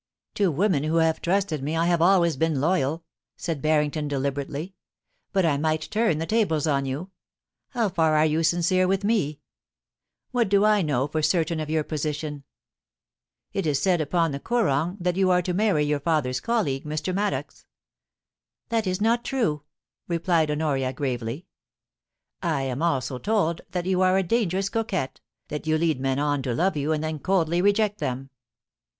*To women who have trusted me I have always been loyal,' said Barrington, deliberately. * But I might turn the tables upon you. How far are you sincere with me ? What do I know for certain of your position ? It is said upon the Koorong that you are to marry your father's colleague, Mr. Maddox.' * That is not true,' replied Honoria, gravely. * I am told also that you are a dangerous coquette — that you lead men on to love you, and then coldly reject them.'